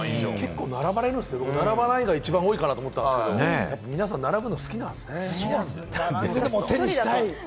僕は並ばないが一番多いかなと思ったんですけど、皆さん、並ぶの好きなんですね。